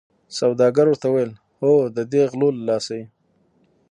سوداګر ورته وویل هو ددې غلو له لاسه یې.